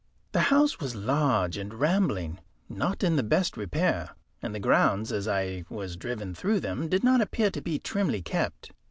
The house was large and rambling, not in the best repair, and the grounds, as I was driven through them, did not appear to be trimly kept.